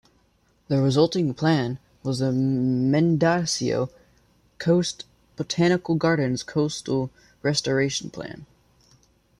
The resulting plan was the Mendocino Coast Botanical Gardens Coastal Restoration Plan.